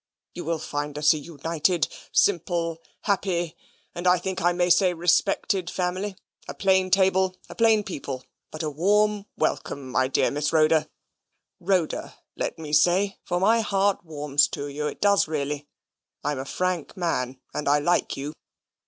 You'll find us a united, simple, happy, and I think I may say respected, family a plain table, a plain people, but a warm welcome, my dear Miss Rhoda Rhoda, let me say, for my heart warms to you, it does really. I'm a frank man, and I like you.